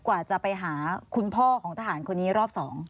กว่าจะไปหาคุณพ่อของทหารคนนี้รอบ๒